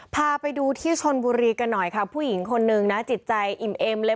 พาไปดูที่ชนบุรีกันหน่อยค่ะผู้หญิงคนนึงนะจิตใจอิ่มเอ็มเลย